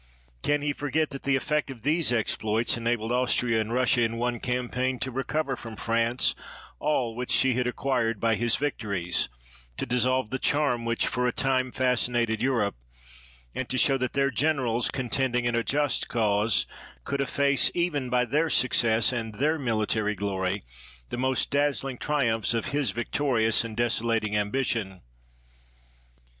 Can he forget that the effect of these exploits enabled Austria and Russia in one campaign to recover from France all which she had acquired by his vic tories, to dissolve the charm which for a time fascinated Europe, and to show that their gener als, contending in a just cause, could efface even by their success and their military glory the most dazzling triumphs of his victorious and desolating ambition?